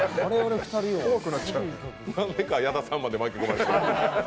なんでか矢田さんまで巻き込まれて。